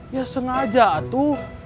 ya sengaja atu